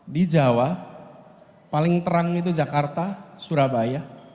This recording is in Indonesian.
di jawa paling terang itu jakarta surabaya